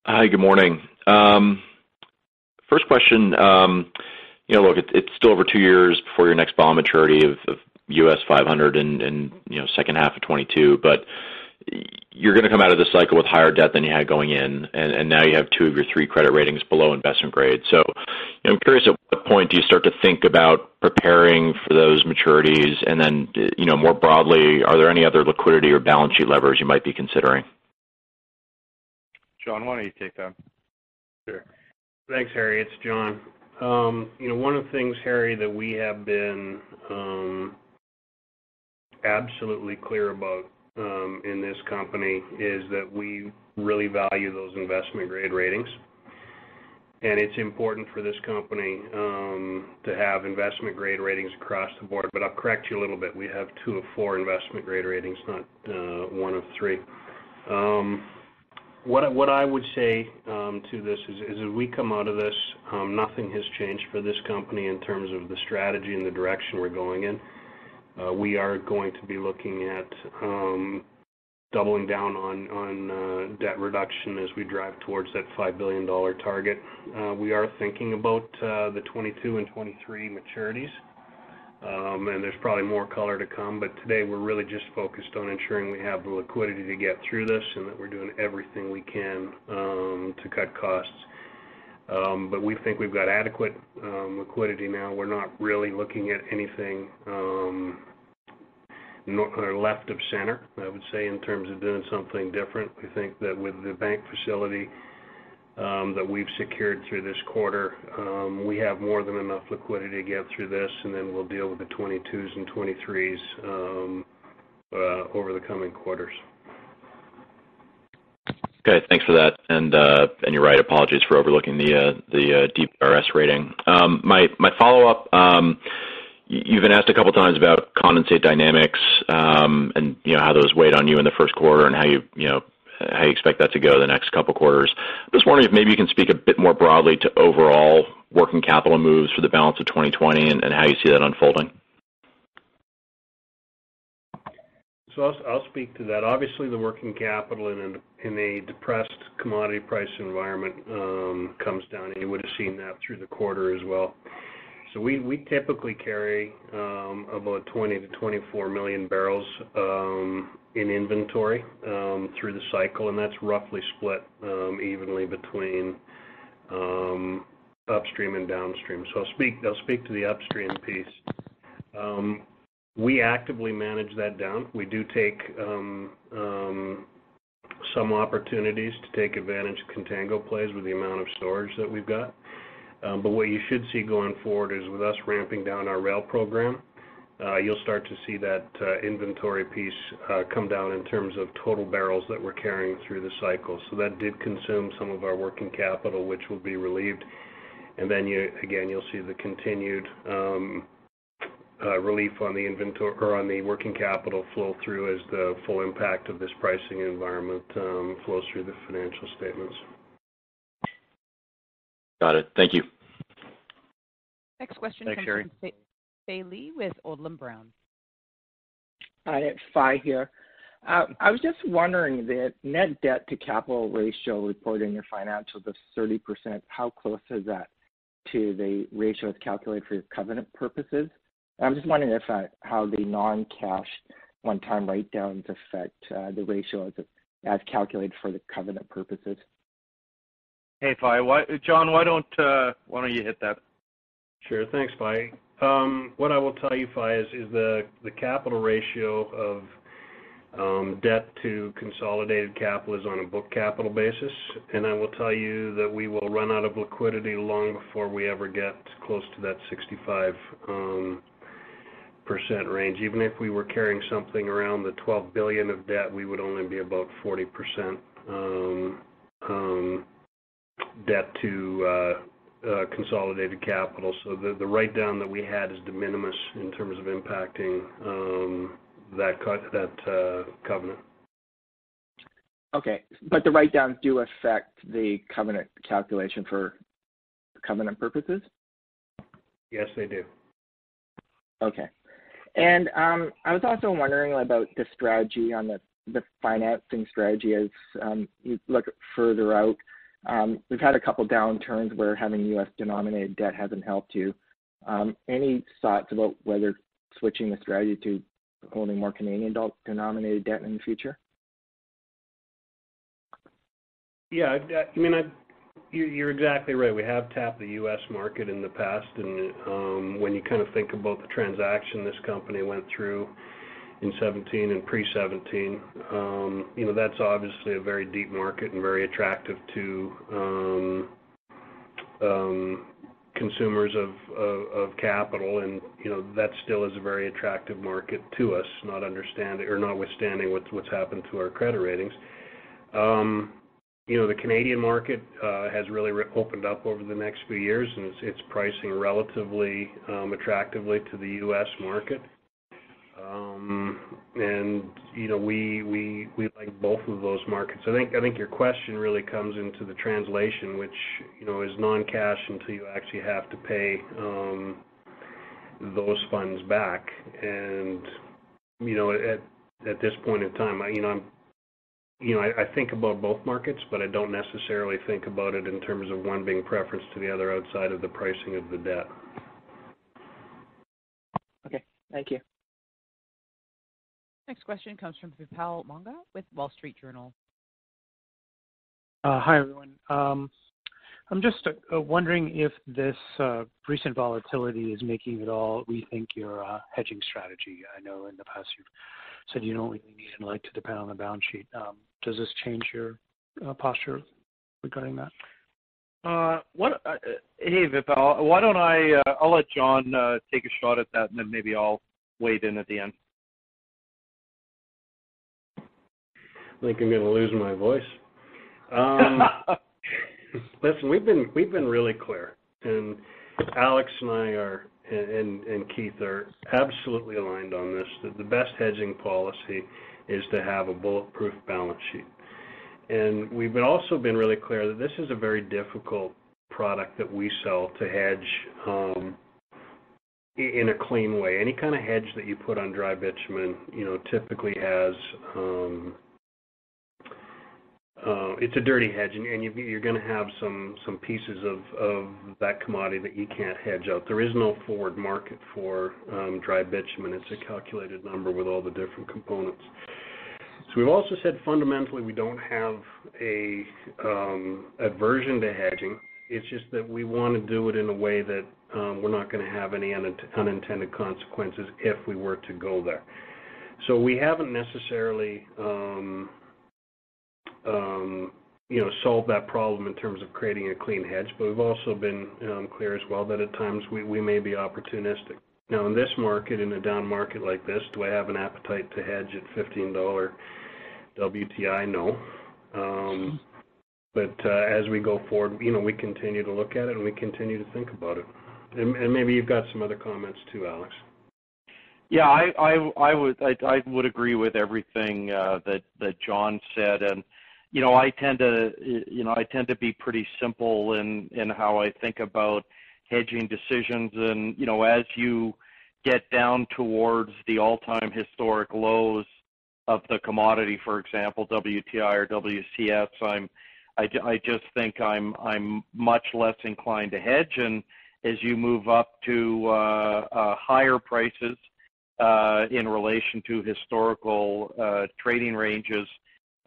Hi, good morning. First question. Look, it's still over two years before your next bond maturity of $500 million in the second half of 2022, but you're going to come out of this cycle with higher debt than you had going in, and now you have two of your three credit ratings below investment grade. I'm curious, at what point do you start to think about preparing for those maturities? More broadly, are there any other liquidity or balance sheet levers you might be considering? Jon, why don't you take that? Sure. Thanks, Harry. It's Jon. One of the things, Harry, that we have been absolutely clear about in this company is that we really value those investment-grade ratings. It is important for this company to have investment-grade ratings across the board. I'll correct you a little bit. We have two of four investment-grade ratings, not one of three. What I would say to this is, as we come out of this, nothing has changed for this company in terms of the strategy and the direction we are going in. We are going to be looking at doubling down on debt reduction as we drive towards that $5 billion target. We are thinking about the 2022 and 2023 maturities, and there is probably more color to come. Today, we're really just focused on ensuring we have the liquidity to get through this and that we're doing everything we can to cut costs. We think we've got adequate liquidity now. We're not really looking at anything left of center, I would say, in terms of doing something different. We think that with the bank facility that we've secured through this quarter, we have more than enough liquidity to get through this, and then we'll deal with the 22s and 23s over the coming quarters. Good. Thanks for that. You're right. Apologies for overlooking the DBRS rating. My follow-up, you've been asked a couple of times about condensate dynamics and how those weighed on you in the first quarter and how you expect that to go the next couple of quarters. Just wondering if maybe you can speak a bit more broadly to overall working capital moves for the balance of 2020 and how you see that unfolding. I'll speak to that. Obviously, the working capital in a depressed commodity price environment comes down, and you would have seen that through the quarter as well. We typically carry about 20-24 million barrels in inventory through the cycle, and that's roughly split evenly between upstream and downstream. I'll speak to the upstream piece. We actively manage that down. We do take some opportunities to take advantage of contango plays with the amount of storage that we've got. What you should see going forward is, with us ramping down our rail program, you'll start to see that inventory piece come down in terms of total barrels that we're carrying through the cycle. That did consume some of our working capital, which will be relieved. You'll see the continued relief on the working capital flow through as the full impact of this pricing environment flows through the financial statements. Got it. Thank you. Next question comes from Fai Lee with Odlum Brown. Hi, it's Fai here. I was just wondering, the net debt-to-capital ratio report in your financials of 30%, how close is that to the ratio that's calculated for your covenant purposes? I was just wondering how the non-cash one-time write-downs affect the ratio as calculated for the covenant purposes. Hey, Fai. Jon, why don't you hit that? Sure. Thanks, Fai. What I will tell you, Fai, is the capital ratio of debt to consolidated capital is on a book capital basis. I will tell you that we will run out of liquidity long before we ever get close to that 65% range. Even if we were carrying something around the $12 billion of debt, we would only be about 40% debt to consolidated capital. The write-down that we had is de minimis in terms of impacting that covenant. Okay. The write-downs do affect the covenant calculation for covenant purposes? Yes, they do. Okay. I was also wondering about the strategy on the financing strategy as you look further out. We've had a couple of downturns where having US-denominated debt hasn't helped you. Any thoughts about whether switching the strategy to only more Canadian-denominated debt in the future? Yeah. I mean, you're exactly right. We have tapped the US market in the past. When you kind of think about the transaction this company went through in 2017 and pre-2017, that's obviously a very deep market and very attractive to consumers of capital. That still is a very attractive market to us, notwithstanding what's happened to our credit ratings. The Canadian market has really opened up over the next few years, and it's pricing relatively attractively to the US market. We like both of those markets. I think your question really comes into the translation, which is non-cash until you actually have to pay those funds back. At this point in time, I think about both markets, but I don't necessarily think about it in terms of one being preference to the other outside of the pricing of the debt. Okay. Thank you. Next question comes from Vipal Monga with Wall Street Journal. Hi, everyone. I'm just wondering if this recent volatility is making you at all rethink your hedging strategy. I know in the past, you've said you don't really need to depend on the balance sheet. Does this change your posture regarding that? Hey, Vipal, why don't I—I'll let Jon take a shot at that, and then maybe I'll weigh in at the end. I think I'm going to lose my voice. Listen, we've been really clear. Alex and I and Keith are absolutely aligned on this. The best hedging policy is to have a bulletproof balance sheet. We've also been really clear that this is a very difficult product that we sell to hedge in a clean way. Any kind of hedge that you put on dry bitumen typically has—it's a dirty hedge, and you're going to have some pieces of that commodity that you can't hedge out. There is no forward market for dry bitumen. It's a calculated number with all the different components. We've also said, fundamentally, we don't have a version to hedging. It's just that we want to do it in a way that we're not going to have any unintended consequences if we were to go there. We have not necessarily solved that problem in terms of creating a clean hedge, but we have also been clear as well that at times, we may be opportunistic. In this market, in a down market like this, do I have an appetite to hedge at $15 WTI? No. As we go forward, we continue to look at it, and we continue to think about it. Maybe you have some other comments too, Alex. Yeah. I would agree with everything that Jon said. I tend to be pretty simple in how I think about hedging decisions. As you get down towards the all-time historic lows of the commodity, for example, WTI or WCS, I just think I'm much less inclined to hedge. As you move up to higher prices in relation to historical trading ranges,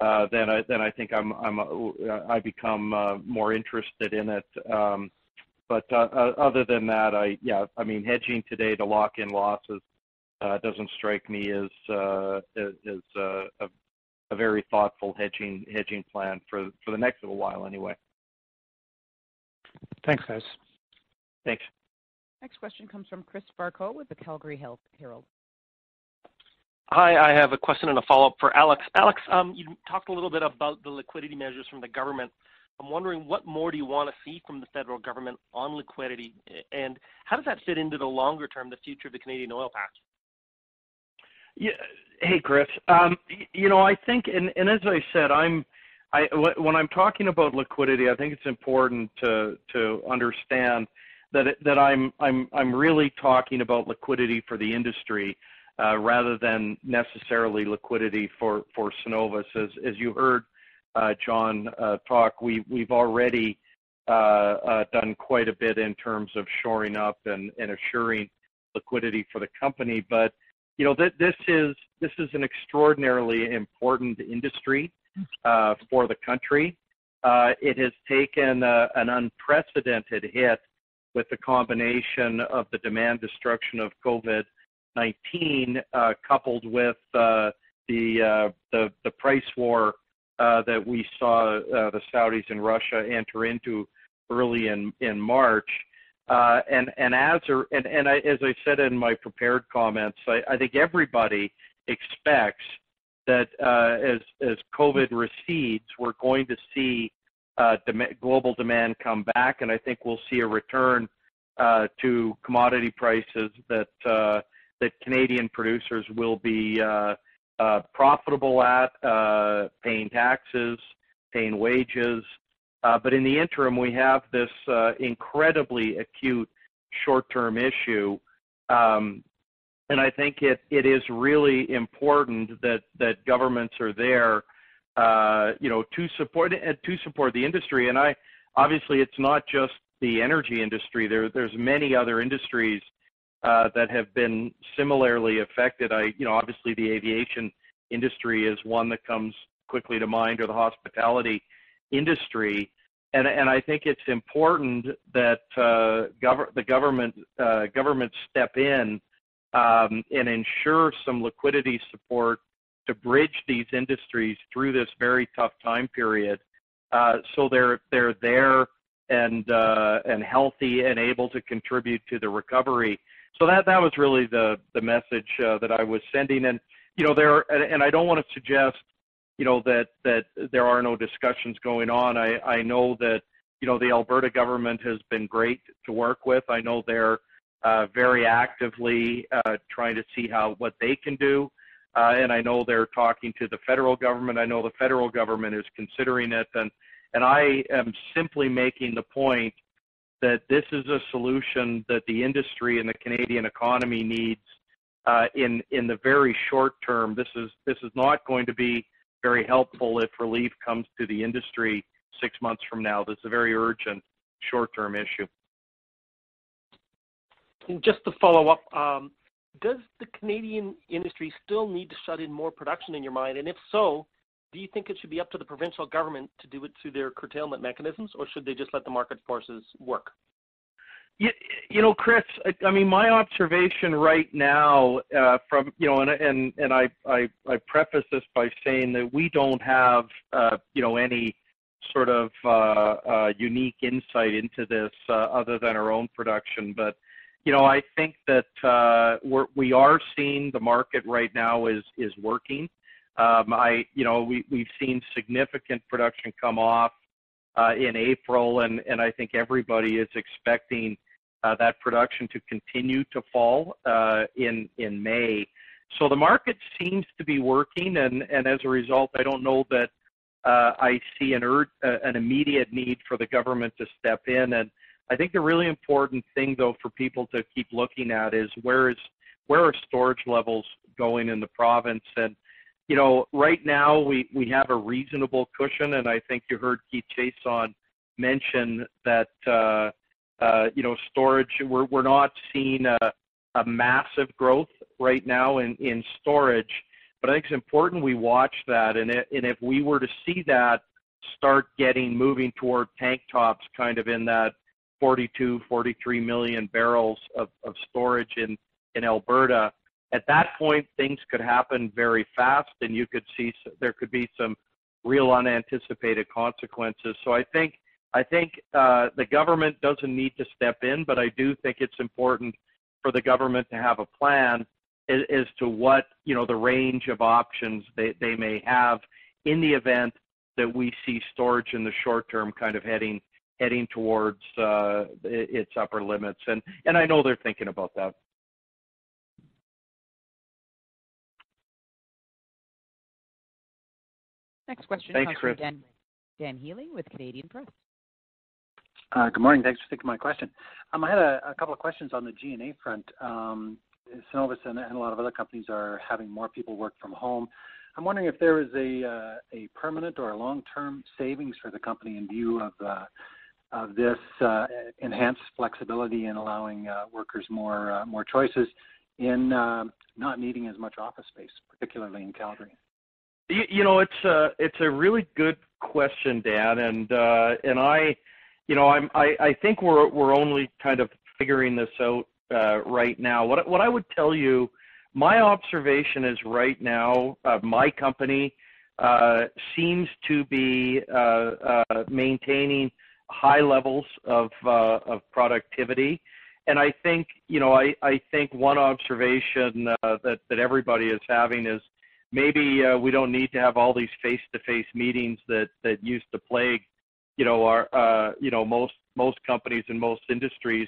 I think I become more interested in it. Other than that, yeah, I mean, hedging today to lock in losses does not strike me as a very thoughtful hedging plan for the next little while anyway. Thanks, guys. Thanks. Next question comes from Chris Varcoe with the Calgary Herald. Hi. I have a question and a follow-up for Alex. Alex, you talked a little bit about the liquidity measures from the government. I'm wondering, what more do you want to see from the federal government on liquidity? How does that fit into the longer term, the future of the Canadian oil path? Hey, Chris. I think, and as I said, when I'm talking about liquidity, I think it's important to understand that I'm really talking about liquidity for the industry rather than necessarily liquidity for Cenovus. As you heard Jon talk, we've already done quite a bit in terms of shoring up and assuring liquidity for the company. This is an extraordinarily important industry for the country. It has taken an unprecedented hit with the combination of the demand destruction of COVID-19 coupled with the price war that we saw the Saudis and Russia enter into early in March. As I said in my prepared comments, I think everybody expects that as COVID recedes, we're going to see global demand come back. I think we'll see a return to commodity prices that Canadian producers will be profitable at, paying taxes, paying wages. In the interim, we have this incredibly acute short-term issue. I think it is really important that governments are there to support the industry. Obviously, it's not just the energy industry. There are many other industries that have been similarly affected. Obviously, the aviation industry is one that comes quickly to mind, or the hospitality industry. I think it's important that the governments step in and ensure some liquidity support to bridge these industries through this very tough time period so they're there and healthy and able to contribute to the recovery. That was really the message that I was sending. I don't want to suggest that there are no discussions going on. I know that the Alberta government has been great to work with. I know they're very actively trying to see what they can do. I know they're talking to the federal government. I know the federal government is considering it. I am simply making the point that this is a solution that the industry and the Canadian economy needs in the very short term. This is not going to be very helpful if relief comes to the industry six months from now. This is a very urgent short-term issue. Just to follow up, does the Canadian industry still need to shut in more production, in your mind? If so, do you think it should be up to the provincial government to do it through their curtailment mechanisms, or should they just let the market forces work? Chris, I mean, my observation right now, and I preface this by saying that we do not have any sort of unique insight into this other than our own production. I think that we are seeing the market right now is working. We have seen significant production come off in April, and I think everybody is expecting that production to continue to fall in May. The market seems to be working. As a result, I do not know that I see an immediate need for the government to step in. I think the really important thing, though, for people to keep looking at is where are storage levels going in the province. Right now, we have a reasonable cushion. I think you heard Keith Chiasson mention that storage—we are not seeing a massive growth right now in storage. I think it is important we watch that. If we were to see that start getting moving toward tank tops, kind of in that 42-43 million barrels of storage in Alberta, at that point, things could happen very fast, and you could see there could be some real unanticipated consequences. I think the government does not need to step in, but I do think it is important for the government to have a plan as to what the range of options they may have in the event that we see storage in the short term kind of heading towards its upper limits. I know they are thinking about that. Next question comes from Dan Healing with Canadian Press. Good morning. Thanks for taking my question. I had a couple of questions on the G&A front. Cenovus and a lot of other companies are having more people work from home. I'm wondering if there is a permanent or a long-term savings for the company in view of this enhanced flexibility in allowing workers more choices and not needing as much office space, particularly in Calgary. It's a really good question, Dan. I think we're only kind of figuring this out right now. What I would tell you, my observation is right now, my company seems to be maintaining high levels of productivity. I think one observation that everybody is having is maybe we don't need to have all these face-to-face meetings that used to plague most companies and most industries.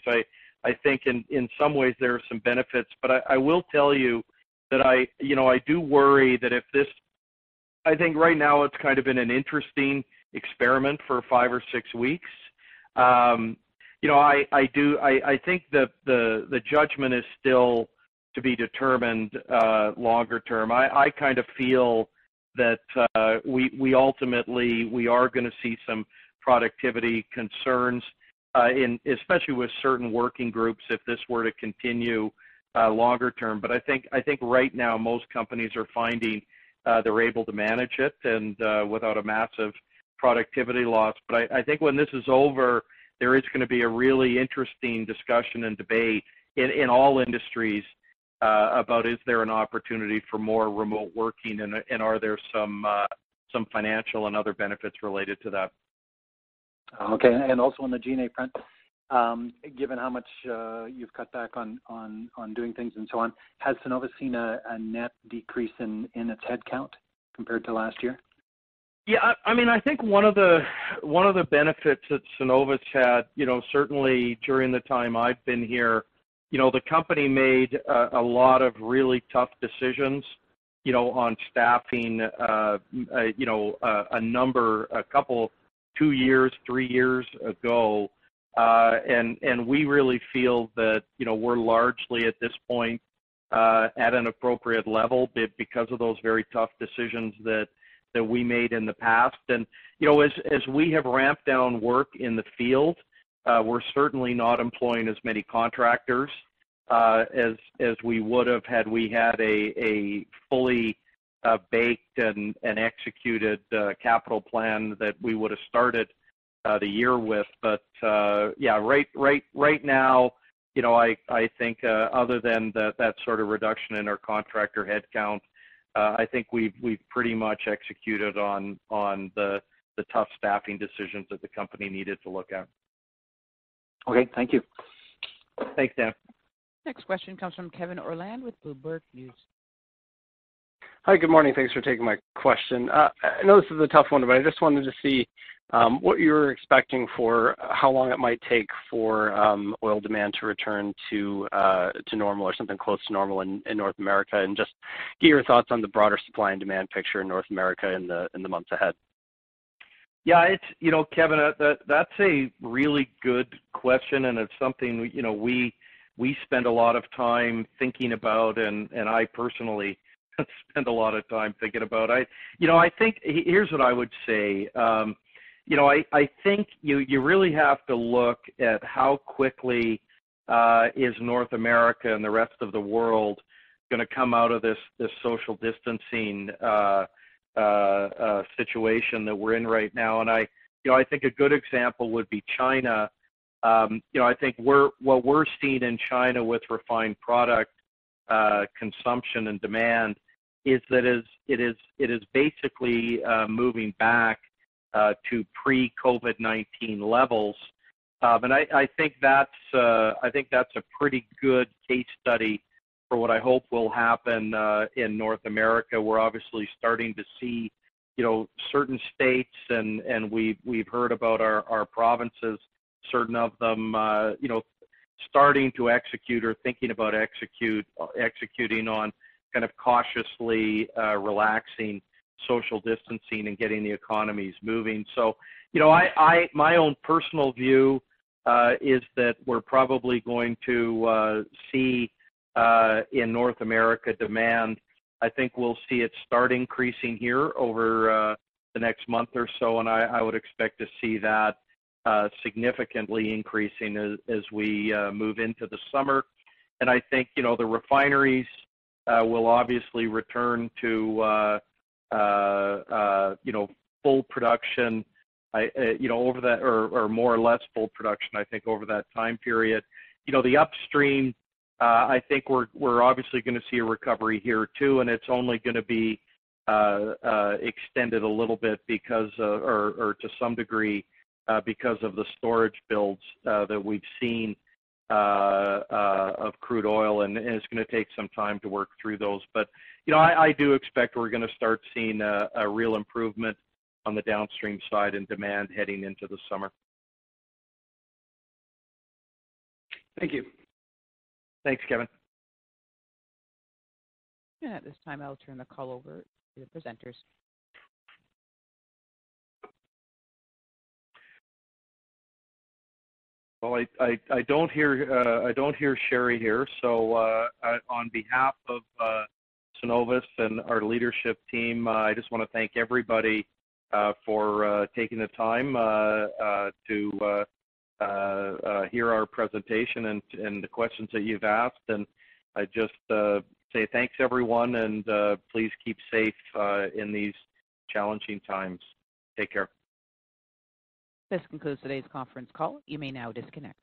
I think in some ways, there are some benefits. I will tell you that I do worry that if this—I think right now, it's kind of been an interesting experiment for five or six weeks. I think the judgment is still to be determined longer term. I kind of feel that we ultimately are going to see some productivity concerns, especially with certain working groups if this were to continue longer term. I think right now, most companies are finding they're able to manage it without a massive productivity loss. I think when this is over, there is going to be a really interesting discussion and debate in all industries about is there an opportunity for more remote working, and are there some financial and other benefits related to that. Okay. Also on the G&A front, given how much you've cut back on doing things and so on, has Cenovus seen a net decrease in its headcount compared to last year? Yeah. I mean, I think one of the benefits that Cenovus had, certainly during the time I've been here, the company made a lot of really tough decisions on staffing a number, a couple, two years, three years ago. We really feel that we're largely at this point at an appropriate level because of those very tough decisions that we made in the past. As we have ramped down work in the field, we're certainly not employing as many contractors as we would have had we had a fully baked and executed capital plan that we would have started the year with. Yeah, right now, I think other than that sort of reduction in our contractor headcount, I think we've pretty much executed on the tough staffing decisions that the company needed to look at. Okay. Thank you. Thanks, Dan. Next question comes from Kevin Orland with Bloomberg News. Hi. Good morning. Thanks for taking my question. I know this is a tough one, but I just wanted to see what you're expecting for how long it might take for oil demand to return to normal or something close to normal in North America and just get your thoughts on the broader supply and demand picture in North America in the months ahead. Yeah. Kevin, that's a really good question. It's something we spend a lot of time thinking about, and I personally spend a lot of time thinking about. I think here's what I would say. I think you really have to look at how quickly is North America and the rest of the world going to come out of this social distancing situation that we're in right now. I think a good example would be China. I think what we're seeing in China with refined product consumption and demand is that it is basically moving back to pre-COVID-19 levels. I think that's a pretty good case study for what I hope will happen in North America. We're obviously starting to see certain states, and we've heard about our provinces, certain of them starting to execute or thinking about executing on kind of cautiously relaxing social distancing and getting the economies moving. My own personal view is that we're probably going to see in North America demand. I think we'll see it start increasing here over the next month or so. I would expect to see that significantly increasing as we move into the summer. I think the refineries will obviously return to full production over that or more or less full production, I think, over that time period. The upstream, I think we're obviously going to see a recovery here too. It's only going to be extended a little bit because of, or to some degree, because of the storage builds that we've seen of crude oil. It is going to take some time to work through those. I do expect we are going to start seeing a real improvement on the downstream side in demand heading into the summer. Thank you. Thanks, Kevin. At this time, I'll turn the call over to the presenters. I do not hear Sherry here. On behalf of Cenovus and our leadership team, I just want to thank everybody for taking the time to hear our presentation and the questions that you have asked. I just say thanks, everyone. Please keep safe in these challenging times. Take care. This concludes today's conference call. You may now disconnect.